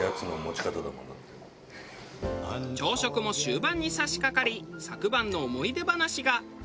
朝食も終盤に差しかかり昨晩の思い出話が。